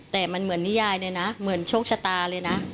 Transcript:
แต่มันเหมือนนิยายเลยนะเหมือนโชคชะตาเลยนะ